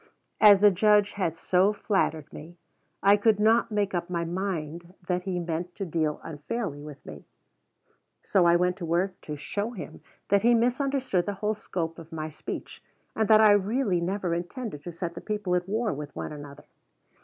As the Judge had so flattered me, I could not make up my mind that he meant to deal unfairly with me. So I went to work to show him that he misunderstood the whole scope of my speech, and that I really never intended to set the people at war with one another.